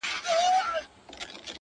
• وه ه سم شاعر دي اموخته کړم؛